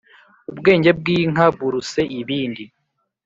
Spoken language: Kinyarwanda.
Ubwenge bw'inka buruse ibindi.